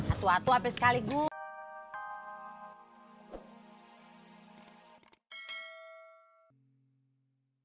aduh aduh vic kali gue